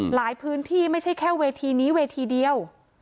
พื้นที่ไม่ใช่แค่เวทีนี้เวทีเดียว